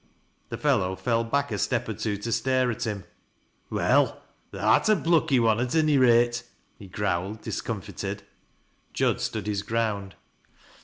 The fellow fell back a step or two to stare at him. " Well, tha'rt a plucky one at ony rate," he growled, discomfited. Jud stood his ground.